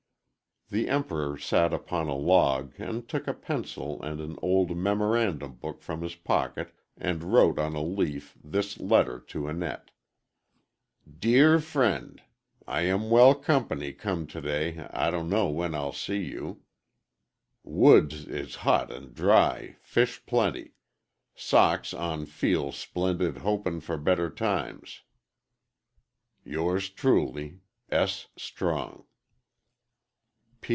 The Emperor sat upon a log and took a pencil and an old memorandum book from his pocket and wrote on a leaf this letter to Annette: _"Deer frend I am wel compny com today I dunno when I'll see you. woods is hot and dry fish plenty Socks on feel splendid hopin for better times "yours trewly "S. Strong.